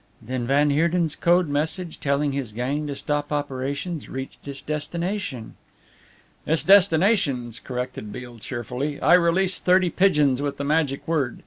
"Then van Heerden's code message telling his gang to stop operations reached its destination!" "Its destinations," corrected Beale cheerfully. "I released thirty pigeons with the magic word.